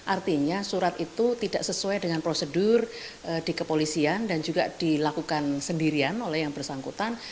artinya surat itu tidak sesuai dengan prosedur di kepolisian dan juga dilakukan sendirian oleh yang bersangkutan